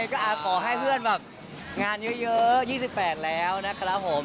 ก็ขอให้เพื่อนแบบงานเยอะ๒๘แล้วนะครับผม